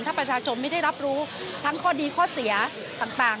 ถ้าประชาชนไม่ได้รับรู้ทั้งข้อดีข้อเสียต่าง